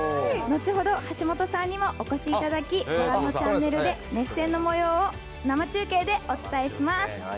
後ほど橋下さんにもお越しいただき、ご覧のチャンネルで熱戦のもようを生中継でお伝えします。